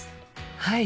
はい！